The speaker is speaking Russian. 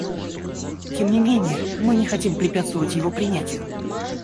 Тем не менее, мы не хотим препятствовать его принятию.